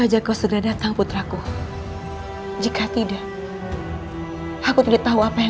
yang baik pun tak deras